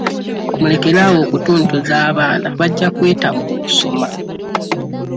Mulekere awo okutuntuza abaana bajja kwetamwa okusoma.